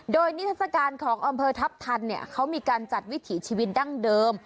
โดยนิทัศกาลของอำเภอทัพทันเนี่ยเขามีการจัดวิถีชีวิตดั้งเดิม